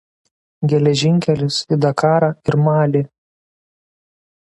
Geležinkelis į Dakarą ir Malį.